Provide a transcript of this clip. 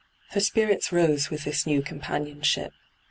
Her spirits rose with this new companionship.